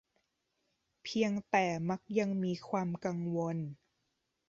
เพียงแต่มักยังมีความกังวล